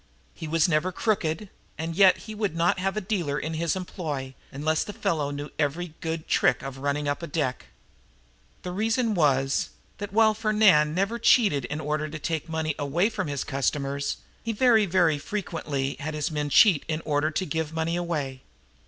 He was never crooked; and yet he would not have a dealer in his employ unless the fellow knew every good trick of running up the deck. The reason was that, while Fernand never cheated in order to take money away from his customers, he very, very frequently had his men cheat in order to give money away.